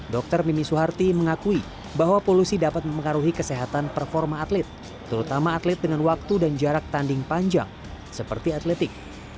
dr mimi suharti mengakui bahwa polusi dapat mempengaruhi kesehatan performa atlet terutama atlet dengan waktu dan jarak tanding panjang seperti atletik